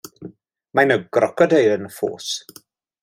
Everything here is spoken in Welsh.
Mae 'na grocodeil yn y ffos.